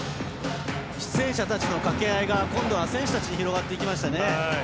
出演者たちの掛け合いが今度は選手たちに広がっていきましたね。